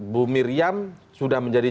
bu miriam sudah menjadi